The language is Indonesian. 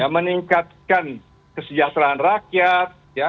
meningkatkan kesejahteraan rakyat